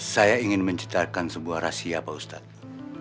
saya ingin menciptakan sebuah rahasia pak ustadz